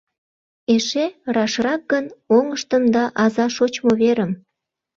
Эше рашрак гын — оҥыштым да аза шочмо верым.